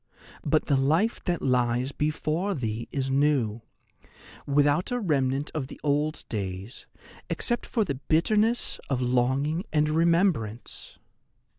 But the life that lies before thee is new, without a remnant of the old days, except for the bitterness of longing and remembrance.